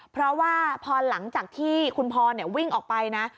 เพราะว่าพอหลังจากที่คุณพรวิ่งออกไปนะ